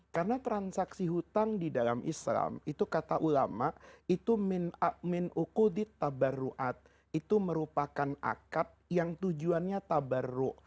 karena transaksi hutang di dalam islam itu kata ulama itu merupakan akat yang tujuannya tabarru